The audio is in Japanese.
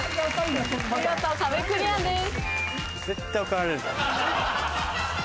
見事壁クリアです。